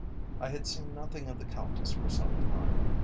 I had seen nothing of the Countess for some time.